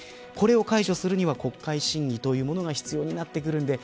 これを解除するには国会審議が必要になってくる。